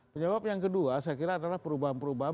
penyebab yang kedua saya kira adalah perubahan perubahan